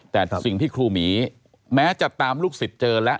แต่สิ่งที่ครูหมีแม้จะตามลูกศิษย์เจอแล้ว